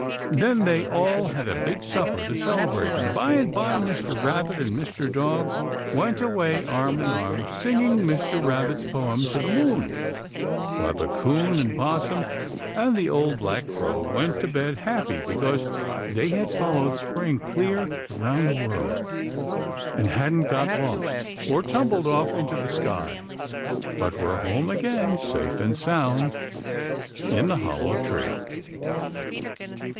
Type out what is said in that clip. Then they all had a big supper, to celebrate, and by and by Mr. Rabbit and Mr. Dog went away arm in arm, singing Mr. Rabbit's poem to the moon; while the 'Coon and 'Possum and the old black Crow went to bed happy because they had followed Spring clear around the world, and hadn't got lost or tumbled off into the sky, but were home again safe and sound in the Hollow Tree.